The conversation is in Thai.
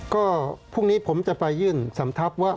ก็พรุ่งนี้ผมจะไปยื่นสำทับว่า